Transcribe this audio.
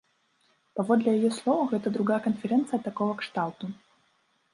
Паводле яе слоў, гэта другая канферэнцыя такога кшталту.